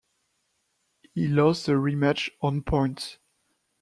He lost the rematch on points.